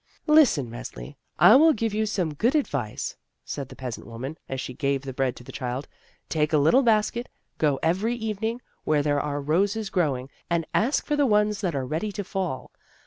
"Listen, Resli, I will give you some good ad vice," said the peasant woman, as she gave the bread to the child; "take a little basket, go, every evening, where there are roses growing, and ask for the ones that are ready to fall.